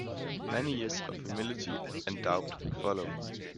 Many years of humility and doubt follow.